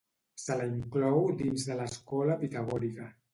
Se la inclou dins de l'escola pitagòrica.